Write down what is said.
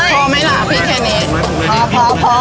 พอไหมละพี่แค่เน้นพอ